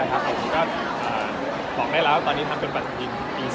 ผมก็บอกได้แล้วตอนนี้ทำเป็นปฏิทินปี๒๕